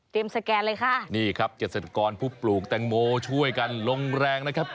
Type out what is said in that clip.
สแกนเลยค่ะนี่ครับเกษตรกรผู้ปลูกแตงโมช่วยกันลงแรงนะครับ